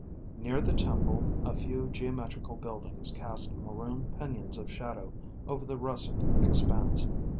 Near the temple a few geometrical buildings cast maroon pinions of shadow over the russet expanse.